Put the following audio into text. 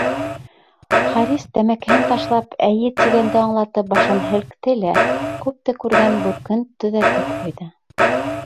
Харис тәмәкеһен ташлап, «эйе» тигәнде аңлатып башын һелкте лә, күпте күргән бүркен төҙәтеп ҡуйҙы.